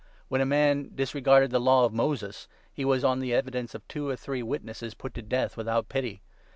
When 28 a man disregarded the Law of Moses, he was, on the evidence of two or three witnesses, put to death without pity.